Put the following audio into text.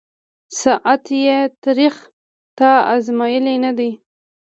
ساعت یې تریخ » تا آزمېیلی نه دی